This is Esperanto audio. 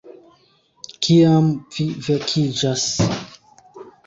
Kiam vi vekiĝas